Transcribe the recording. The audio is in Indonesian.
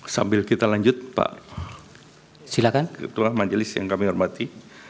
sambil kita lanjut pak silakan ketua majelis yang kami hormati